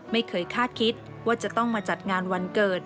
ไม่เคยคาดคิดว่าจะต้องมาจัดงานวันเกิด